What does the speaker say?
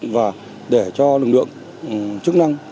và để cho lực lượng chức năng